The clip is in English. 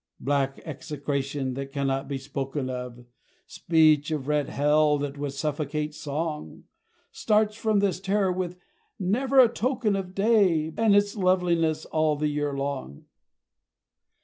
Black execration that cannot be spoken of Speech of red hell that would suffocate Song, Starts from this terror with never a token of Day and its loveliness all the year long.